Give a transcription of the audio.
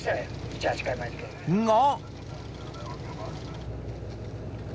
［が］